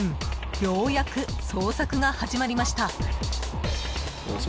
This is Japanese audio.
ようやく捜索が始まりました］